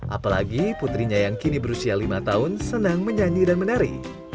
apalagi putrinya yang kini berusia lima tahun senang menyanyi dan menari